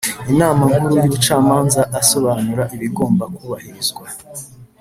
Inama nkuru y ubucamanza asobanura ibigomba kubahirizwa